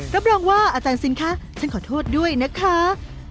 รับรองว่าอาจารย์ซินคะฉันขอโทษด้วยนะคะ